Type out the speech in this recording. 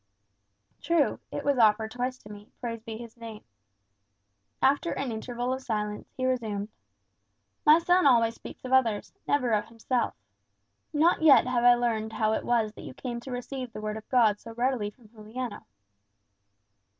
"True; it was offered twice to me, praised be his name." After an interval of silence, he resumed, "My son always speaks of others, never of himself. Not yet have I learned how it was that you came to receive the Word of God so readily from Juliano."